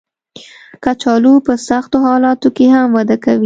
کچالو په سختو حالاتو کې هم وده کوي